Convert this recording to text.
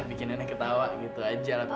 bikin nenek ketawa gitu aja lah